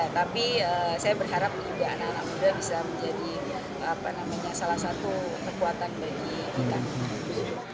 tapi saya berharap juga anak anak muda bisa menjadi salah satu kekuatan bagi kita